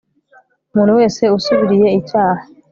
umuntu wese usubiriye icyaha